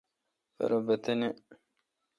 پر بہ تینہ۔